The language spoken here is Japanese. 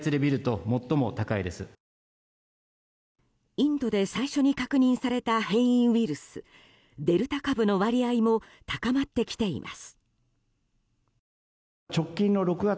インドで最初に確認された変異ウイルスデルタ株の割合も高まってきています。